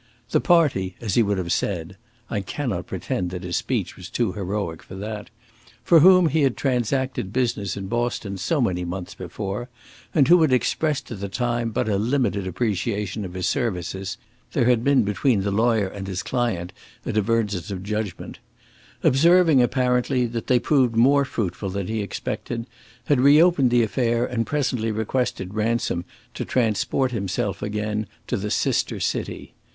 The "party," as he would have said (I cannot pretend that his speech was too heroic for that), for whom he had transacted business in Boston so many months before, and who had expressed at the time but a limited appreciation of his services (there had been between the lawyer and his client a divergence of judgement), observing, apparently, that they proved more fruitful than he expected, had reopened the affair and presently requested Ransom to transport himself again to the sister city.